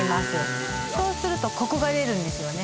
へえっそうするとコクが出るんですよね